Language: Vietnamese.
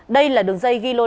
đây là đường dây ghi lô đề